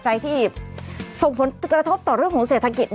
สำหรับโครงการคนละครึ่งเฟส๓ก็มีระยะเวลาในการใช้สิทธิ์นะครับ